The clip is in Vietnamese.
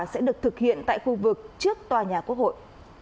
sẽ được thực hiện tại khu vực trước tòa nhà quốc hội